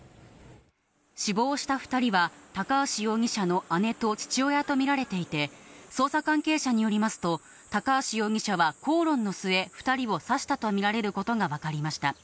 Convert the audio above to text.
死亡した２人は、高橋容疑者の姉と父親と見られていて、捜査関係者によりますと、高橋容疑者は口論の末、２人を刺したと見られることが分かりました。